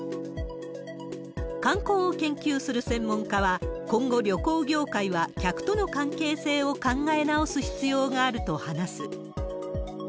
観光を研究する専門家は、今後、旅行業界は客との関係性を考え直す必要があると話す。